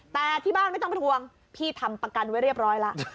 แต่ที่บ้านไม่ต้องไปทวงพี่ทำประกันไว้เรียบร้อยแล้ว